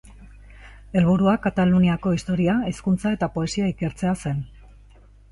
Helburua Kataluniako historia, hizkuntza eta poesia ikertzea zen.